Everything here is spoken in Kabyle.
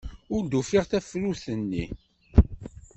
Ur d-ufiɣ tafrut-nni.